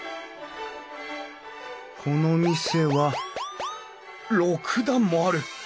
この店は６段もある！